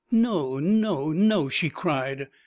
"No, no, no!" she cried.